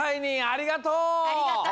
ありがとう！